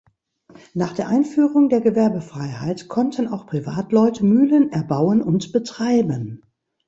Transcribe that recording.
Nach der Einführung der Gewerbefreiheit konnten auch Privatleute Mühlen erbauen und betreiben.